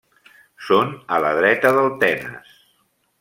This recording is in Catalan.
Són a la dreta del Tenes.